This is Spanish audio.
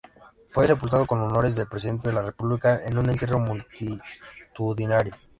Fue sepultado con honores de Presidente de la República en un entierro multitudinario.